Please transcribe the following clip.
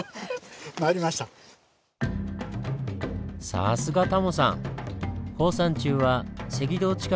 さすがタモさん！